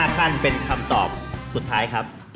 ขั้นเป็นคำตอบสุดท้ายครับ